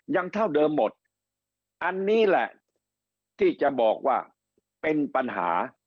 เท่าเดิมหมดอันนี้แหละที่จะบอกว่าเป็นปัญหา